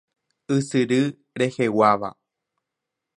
Ysyry reheguáva.